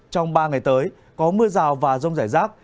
trong ba ngày tới có mưa rào và rông rải rác